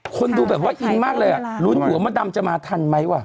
คนดูแบบว่าอิงมากเลยอ่ะลุ้นหัวมดดำจะมาทันไหมว่ะ